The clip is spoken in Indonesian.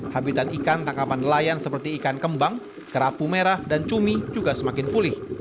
habitat ikan tangkapan nelayan seperti ikan kembang kerapu merah dan cumi juga semakin pulih